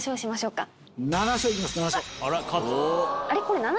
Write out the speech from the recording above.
あれ？